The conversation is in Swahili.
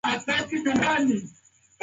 Mume kuomba mkewe msamaha